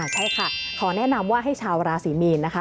ใช่ค่ะขอแนะนำว่าให้ชาวราศีมีนนะคะ